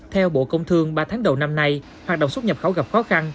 theo bộ công thương ba tháng đầu năm nay hoạt động xuất nhập khẩu gặp khó khăn